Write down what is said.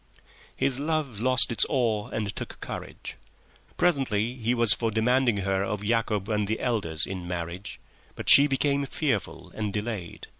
His love lost its awe and took courage. Presently he was for demanding her of Yacob and the elders in marriage, but she became fearful and delayed.